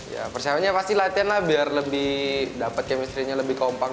ya persiapannya pasti latihan lah biar lebih dapat chemistry nya lebih kompak